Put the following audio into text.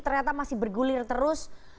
ternyata masih bergulir terus